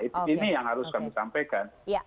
ini yang harus kami sampaikan